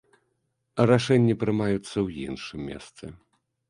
Рашэнні прымаюцца ў іншым месцы.